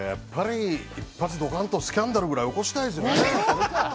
一発スキャンダルくらい起こしたいですよね。